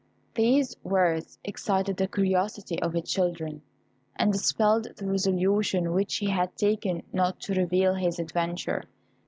These words excited the curiosity of his children, and dispelled the resolution which he had taken not to reveal his adventure.